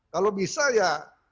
kalau bisa ya